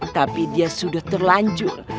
tapi dia sudah terlanjur